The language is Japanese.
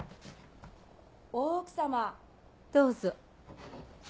・大奥様・どうぞ。